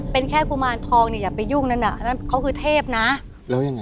เป็นแค่กุมารทองเนี่ยอย่าไปยุ่งนั้นอ่ะนั่นเขาคือเทพนะแล้วยังไง